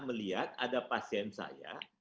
melihat ada pasien saya